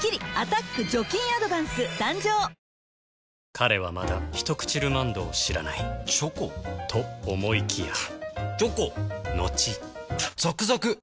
彼はまだ「ひとくちルマンド」を知らないチョコ？と思いきやチョコのちザクザク！